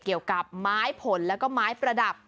เกี่ยวกับไม้ผลแล้วก็ไม้ประดับ